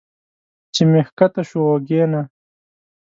چې مې ښکته شو اوږې نه